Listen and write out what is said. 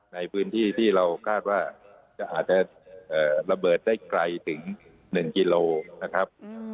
ในพื้นที่ที่เราคาดว่าจะอาจจะระเบิดได้ไกลถึง๑กิโลนะครับ